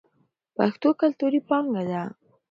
پښتو کلتوري پانګه ده.